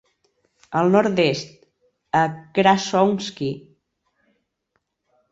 Al nord-est a Krasovskiy.